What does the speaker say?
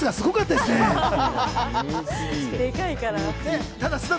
でかいから。